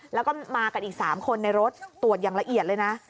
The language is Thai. แล้วก็มากันอีก๓คนในรถตรวจอย่างละเอียดเลยนะ